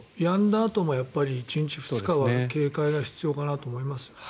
あとも１日、２日は警戒が必要かなと思います。